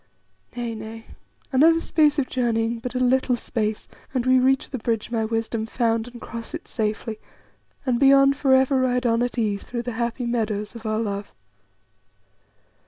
Nay, nay, another space of journeying, but a little space, and we reach the bridge my wisdom found, and cross it safely, and beyond for ever ride on at ease through the happy meadows of our love."